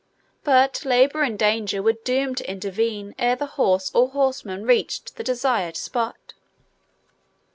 But labour and danger were doomed to intervene ere the horse or horseman reached the desired spot.